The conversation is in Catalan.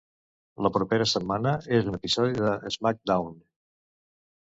La propera setmana en un episodi de SmackDown!